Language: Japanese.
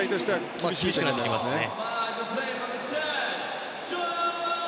厳しくなってきますね。